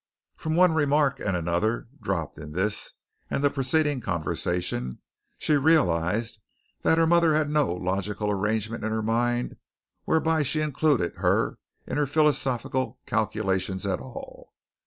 From one remark and another dropped in this and the preceding conversation, she realized that her mother had no logical arrangement in her mind whereby she included her in her philosophical calculations at all.